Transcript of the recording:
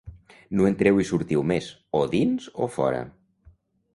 No entreu i sortiu més: o dins o fora.